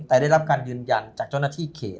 แต่ได้รับการยืนยันจากเจ้าหน้าที่เขต